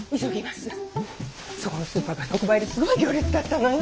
そこのスーパーが特売ですごい行列だったのよ。